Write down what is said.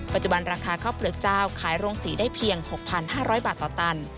ราคาข้าวเปลือกเจ้าขายโรงสีได้เพียง๖๕๐๐บาทต่อตัน